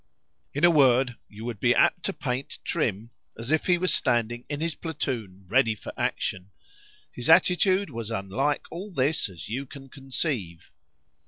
——In a word, you would be apt to paint Trim, as if he was standing in his platoon ready for action,—His attitude was as unlike all this as you can conceive.